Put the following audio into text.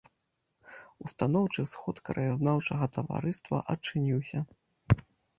Устаноўчы сход краязнаўчага таварыства адчыніўся.